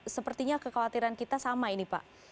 sepertinya kekhawatiran kita sama ini pak